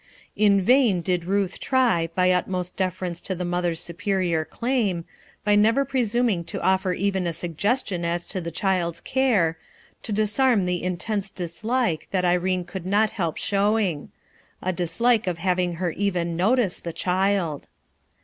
In vain did Ruth try, by utmost deference to the mother's superior claim, by never presuming to offer even a suggestion as to the child's care to disarm the intense dislike that Irene could not help showing — a dislike of having her even notice the child.